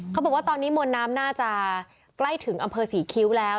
เขาบอกว่าตอนนี้มวลน้ำน่าจะใกล้ถึงอำเภอศรีคิ้วแล้ว